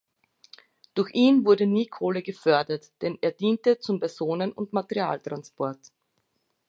Durch ihn wurde nie Kohle gefördert, denn er diente zum Personen- und Materialtransport.